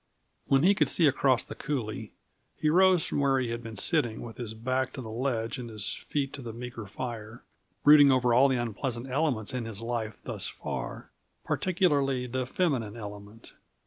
When he could see across the coulée, he rose from where he had been sitting with his back to the ledge and his feet to the meager fire, brooding over all the unpleasant elements in his life thus far, particularly the feminine element.